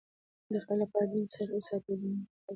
د آخرت له پاره دین وساتئ! او د دؤنیا له پاره پېسې.